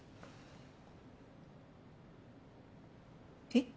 えっ？